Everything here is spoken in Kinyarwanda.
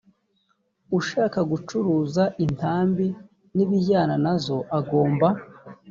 ushaka gucuruza intambi n ibijyana nazo agomba